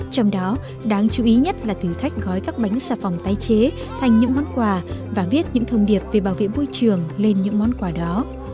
trong đó đáng chú ý nhất là thử thách gói các bánh xà phòng tái chế thành những món quà và viết những thông điệp về bảo vệ môi trường lên những món quà đó